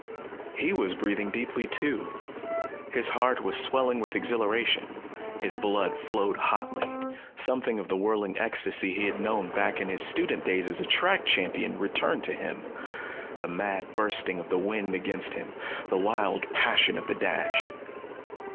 He was breathing deeply too. His heart was swelling with exhilaration. His blood flowed hotly. Something of the whirling ecstasy he had known back in his student days as a track champion returned to him the mad bursting of the wind against him, the wild passion of the dash.